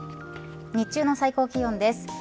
日中の最高気温です。